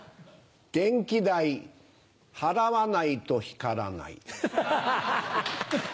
電気代払わないと光らない。